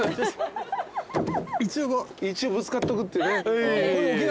一応ぶつかっておくっていうね。